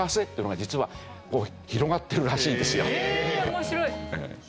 面白い。